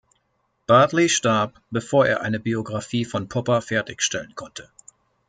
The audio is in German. Bartley starb, bevor er eine Biographie von Popper fertigstellen konnte.